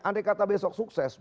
andai kata besok sukses